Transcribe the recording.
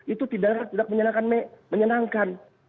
itu tidak menyenangkan